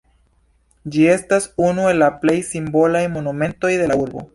Ĝi estas unu el la plej simbolaj monumentoj de la urbo.